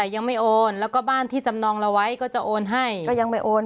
ยังไม่โอนแล้วก็บ้านที่จำนองเราไว้ก็จะโอนให้ก็ยังไม่โอน